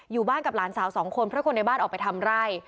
อยู่บ้านกับหลานสาวสองคนเพราะคนในบ้านออกไปทำไร่